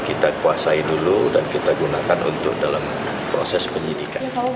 kita kuasai dulu dan kita gunakan untuk dalam proses penyidikan